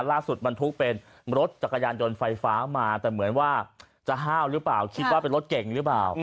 บรรทุกเป็นรถจักรยานยนต์ไฟฟ้ามาแต่เหมือนว่าจะห้าวหรือเปล่าคิดว่าเป็นรถเก่งหรือเปล่า